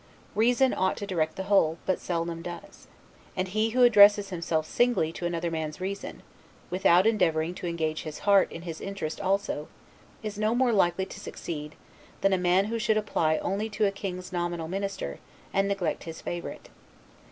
Reason ought to direct the whole, but seldom does. And he who addresses himself singly to another man's reason, without endeavoring to engage his heart in his interest also, is no more likely to succeed, than a man who should apply only to a king's nominal minister, and neglect his favorite.